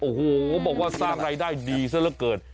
โอ้โหบอกว่าสร้างรายได้ดีซะละเกิน